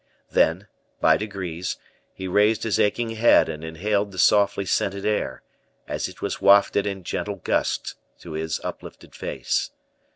Then, by degrees, he raised his aching head and inhaled the softly scented air, as it was wafted in gentle gusts to his uplifted face.